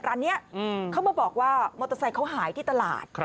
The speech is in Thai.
ร้านนี้เขามาบอกว่ามอเตอร์ไซค์เขาหายที่ตลาด